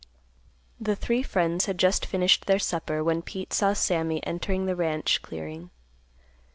The three friends had just finished their supper when Pete saw Sammy entering the ranch clearing.